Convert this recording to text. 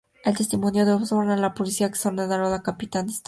El testimonio de Osborn a la policía ha exonerado al capitán Stacy.